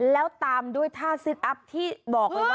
แล้วตามด้วยท่าซิตอัพที่บอกเลยนะ